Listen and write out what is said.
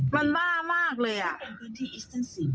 มันบ้ามากเลยอ่ะ